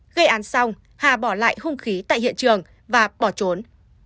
gây án xong hà bỏ lại hung khí tại hiện trường và bỏ trốn